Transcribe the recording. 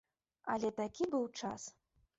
Але такі быў час!